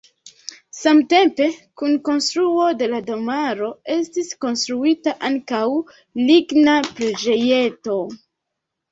Samtempe kun konstruo de la domaro estis konstruita ankaŭ ligna preĝejeto.